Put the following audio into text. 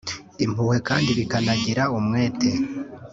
impuhwe kandi bakanagira umwete